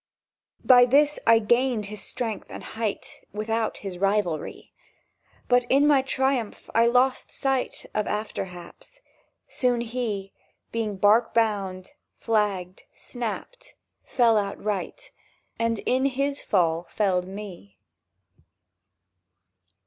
By this I gained his strength and height Without his rivalry. But in my triumph I lost sight Of afterhaps. Soon he, Being bark bound, flagged, snapped, fell outright, And in his fall felled me!